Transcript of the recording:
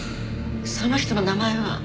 その人の名前は？